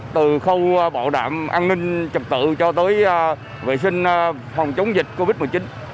từ khâu bảo đảm an ninh trật tự cho tới vệ sinh phòng chống dịch covid một mươi chín